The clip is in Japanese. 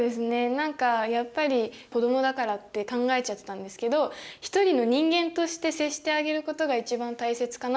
何かやっぱり子どもだからって考えちゃってたんですけど一人の人間として接してあげることが一番大切かなって今日学びました。